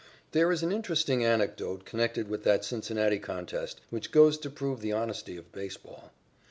There is an interesting anecdote connected with that Cincinnati contest which goes to prove the honesty of baseball.